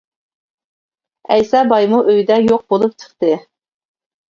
ئەيسا بايمۇ ئۆيىدە يوق بولۇپ چىقتى.